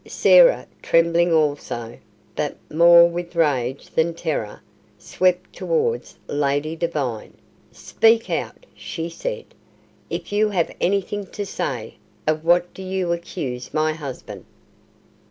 Sarah, trembling also, but more with rage than terror, swept towards Lady Devine. "Speak out!" she said, "if you have anything to say! Of what do you accuse my husband?"